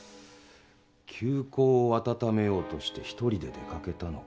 旧交を温めようとして一人で出掛けたのか。